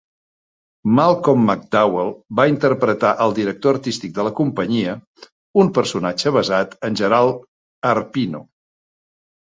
Malcolm McDowell va interpretar el director artístic de la companyia, un personatge basat en Gerald Arpino.